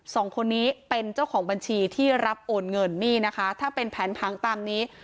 สองคนนี้เป็นเจ้าของบัญชีที่รับโอนเงินนี่นะคะถ้าเป็นแผนผังตามนี้